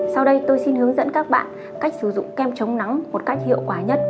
sau đây tôi xin hướng dẫn các bạn cách sử dụng kem chống nắng một cách hiệu quả nhất